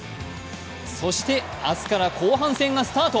そして、明日から後半戦がスタート